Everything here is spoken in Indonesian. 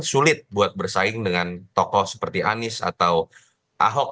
sulit buat bersaing dengan tokoh seperti anies atau ahok